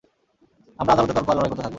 আমরা আদালতে তর্ক আর লড়াই করতে থাকব।